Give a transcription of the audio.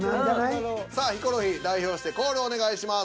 さあヒコロヒー代表してコールお願いします。